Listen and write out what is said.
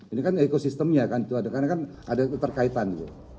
ini kan ekosistemnya kan karena kan ada keterkaitan